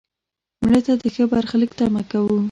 مړه ته د ښه برخلیک تمه کوو